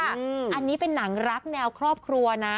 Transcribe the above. อันนี้เป็นหนังรักแนวครอบครัวนะ